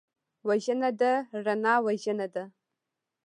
وژنه د رڼا وژنه ده